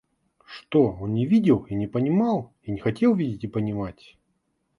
Что — он не видел и не понимал и не хотел видеть и понимать.